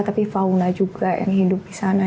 tapi fauna juga yang hidup di sana